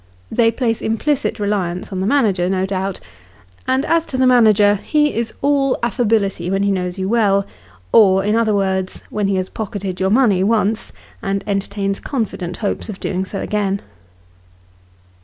They place implicit reliance on the manager, no doubt ; and as to the manager, he is all affability when he knows you well or, in other words, when he has pocketed your money once, and entertains confident hopes of doing so again.